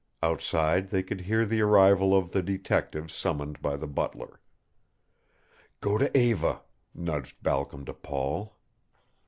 Outside they could hear the arrival of the detectives summoned by the butler. "Go to Eva," nudged Balcom to Paul.